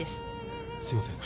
すいません。